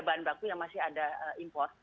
bahan baku yang masih ada import